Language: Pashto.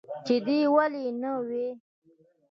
چې دى ولي نه وي.